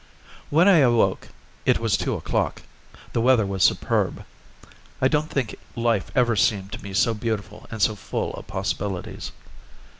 When I awoke it was two o'clock. The weather was superb. I don't think life ever seemed to me so beautiful and so full of possibilities.